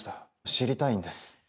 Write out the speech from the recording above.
知りたいんです。